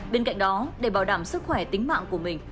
bên cạnh đó để bảo đảm sức khỏe tính mạng của mình